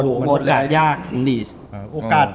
หมดแล้วยาก